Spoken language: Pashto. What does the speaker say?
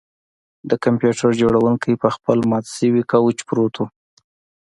د کمپیوټر جوړونکی په خپل مات شوي کوچ پروت و